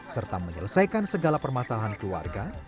serta menyelesaikan segala permasalahan keluarga